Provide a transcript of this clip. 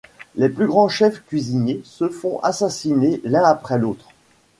Les plus grands chefs cuisiniers se font assassiner l'un après l'autre.